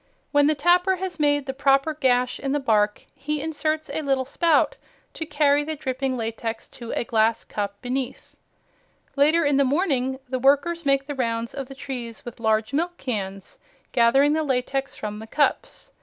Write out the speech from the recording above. When the tapper has made the proper gash in the bark he inserts a little spout to carry the dripping latex to a glass cup beneath. This method of tapping is shown on the front cover. Later in the morning the workers make the rounds of the trees with large milk cans, gathering the latex from the cups.